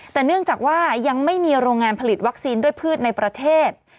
แต่เนื่องจากว่ายังไม่มีโรงงานผลิตวัคซีนด้วยพืชในประเทศ